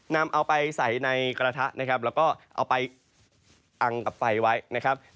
นำเอาไปใส่ในกระทะนะครับแล้วก็เอาไปอังกับไฟไว้นะครับ